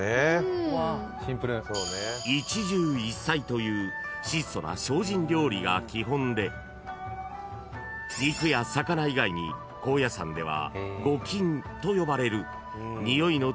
［という質素な精進料理が基本で肉や魚以外に高野山では］